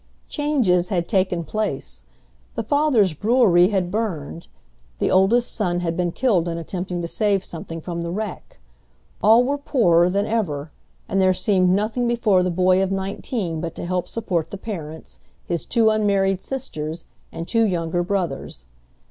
Changes had taken place. The father's brewery had burned, the oldest son had been killed in attempting to save something from the wreck, all were poorer than ever, and there seemed nothing before the boy of nineteen but to help support the parents, his two unmarried sisters, and two younger brothers.